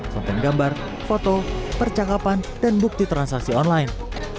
konten gambar foto percakapan dan bukti transaksi online